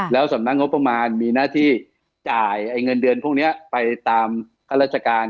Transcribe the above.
แล้วสำนักงบประมาณมีหน้าที่จ่ายเงินเดือนพวกนี้ไปตามข้าราชการ